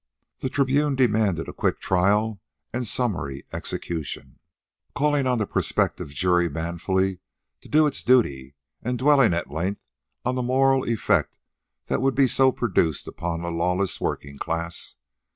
The Tribune demanded a quick trial and summary execution, calling on the prospective jury manfully to do its duty and dwelling at length on the moral effect that would be so produced upon the lawless working class.